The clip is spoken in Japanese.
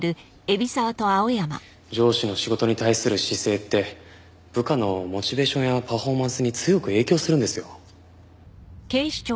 上司の仕事に対する姿勢って部下のモチベーションやパフォーマンスに強く影響するんですよ。